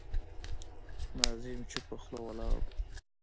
ناظم چوپه خوله ولاړ و.